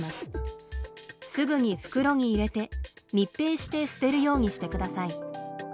すぐに袋に入れて密閉して捨てるようにしてください。